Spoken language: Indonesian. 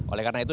oleh karena itu